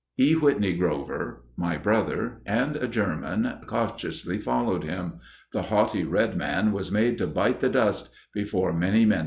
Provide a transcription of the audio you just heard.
E. Whitney Grover, my brother, and a German cautiously followed him. The haughty Red Man was made to bite the dust before many minutes had passed.